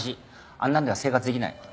あんなのでは生活できない。